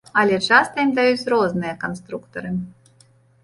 Але часта ім даюць розныя канструктары.